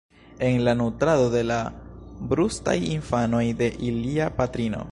en la nutrado de la brustaj infanoj de ilia patrino.